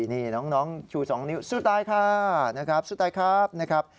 นี่น้องชู๒นิ้วสู้ตายค่ะสู้ตายครับ